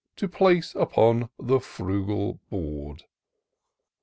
To place upon the frugal board.